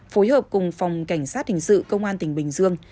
phối hợp cùng phòng cảnh sát hình sự công an tỉnh bình dương